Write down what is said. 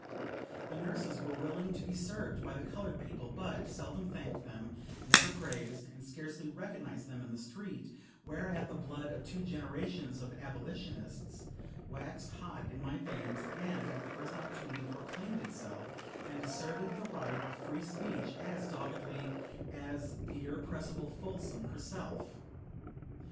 The nurses were willing to be served by the colored people, but seldom thanked them, never praised, and scarcely recognized them in the street; whereat the blood of two generations of abolitionists waxed hot in my veins, and, at the first opportunity, proclaimed itself, and asserted the right of free speech as doggedly as the irrepressible Folsom herself.